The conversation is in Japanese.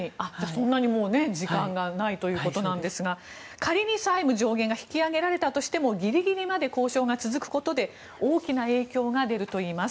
そんなにもう時間がないということですが仮に債務上限が引き上げられたとしてもギリギリまで交渉が続くことで大きな影響が出るといいます。